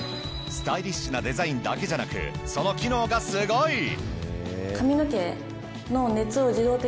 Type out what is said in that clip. スタイリッシュなデザインだけじゃなくその機能がすごい！